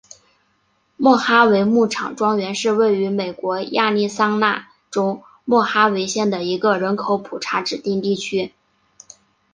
莫哈维牧场庄园是位于美国亚利桑那州莫哈维县的一个人口普查指定地区。